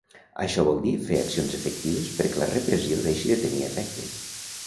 Això vol dir fer accions efectives perquè la repressió deixi de tenir efecte.